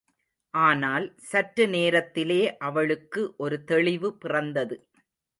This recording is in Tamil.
ஆனால், சற்று நேரத்திலே அவளுக்கு ஒரு தெளிவு பிறந்தது.